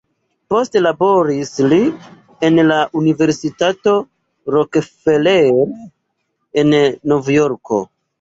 Poste laboris li en la Universitato Rockefeller en Novjorko.